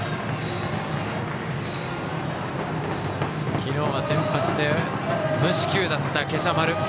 昨日は先発で無四球だった今朝丸。